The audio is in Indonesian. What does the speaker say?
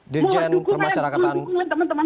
dirjen pemasyarakatan kemenkumham